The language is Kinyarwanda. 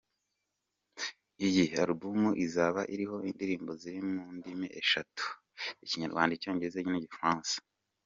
Iyi album izaba iriho indirimbo ziri mu ndimi eshatu; Ikinyarwanda, Icyongereza n’Igifaransa.